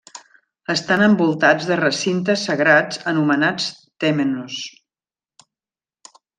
Estan envoltats de recintes sagrats anomenats tèmenos.